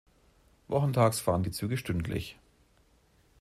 Wochentags fahren die Züge stündlich.